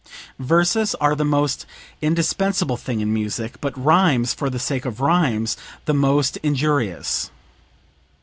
Verses are the most indispensable thing in music, but rhymes, for the sake of rhymes, the most injurious.